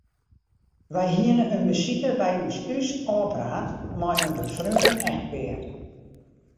Wy hiene in besite by ús thús ôfpraat mei in befreone echtpear.